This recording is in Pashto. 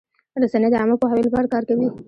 رسنۍ د عامه پوهاوي لپاره کار کوي.